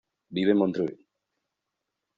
Vive en Montreuil.